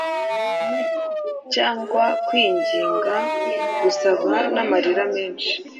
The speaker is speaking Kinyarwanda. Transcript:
cyangwa kwinginga, gusaba n’amarira menshi;